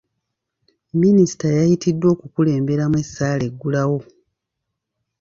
Minisita yayitiddwa okukulemberamu essaala eggulawo.